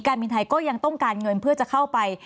บินไทยก็ยังต้องการเงินเพื่อจะเข้าไป